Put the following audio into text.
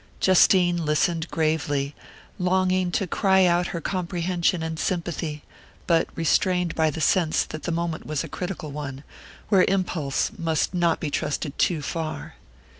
Justine listened gravely, longing to cry out her comprehension and sympathy, but restrained by the sense that the moment was a critical one, where impulse must not be trusted too far.